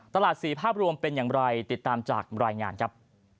ตลาด๔ภาพรวมเป็นอย่างไรติดตามจากรายงานครับ